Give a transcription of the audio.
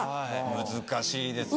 難しいですよね。